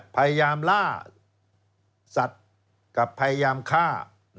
พยายามล่าสัตว์กับพยายามฆ่า